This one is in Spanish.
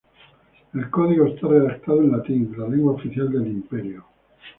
El Código está redactado en latín, la lengua oficial del Imperio.